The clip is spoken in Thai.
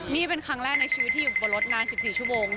นี่เป็นครั้งแรกในชีวิตที่อยู่บนรถนาน๑๔ชั่วโมง